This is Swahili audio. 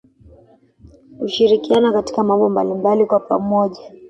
Hushirikiana katika mambo mbalimbali kwa pamoja